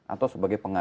atau sebagai pengajar